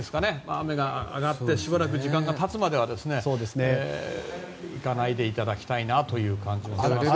雨が上がってしばらく時間が経つまでは行かないでいただきたいという感じですね。